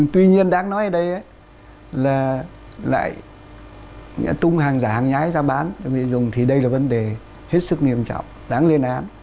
tuy nhiên đáng nói ở đây là lại tung hàng giả hàng nhái ra bán thì đây là vấn đề hết sức nghiêm trọng đáng lên án